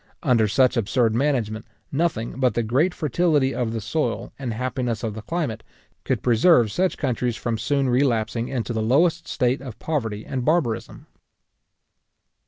Under such absurd management, nothing but the great fertility of the soil, and happiness of the climate, could preserve such countries from soon relapsing into the lowest state of poverty and barbarism.